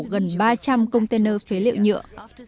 gần ba trăm linh container phế liệu nhựa